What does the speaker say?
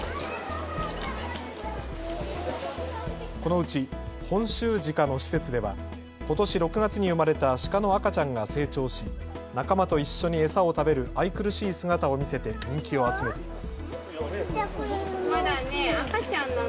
このうちホンシュウジカの施設ではことし６月に生まれたシカの赤ちゃんが成長し仲間と一緒に餌を食べる愛くるしい姿を見せて人気を集めています。